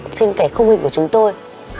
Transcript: trên cái khung hình của chúng tôi